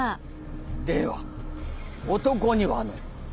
では男にはの。